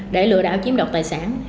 để lừa đảo chiếm đoạt tài sản